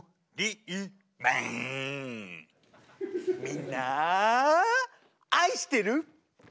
みんな愛してる！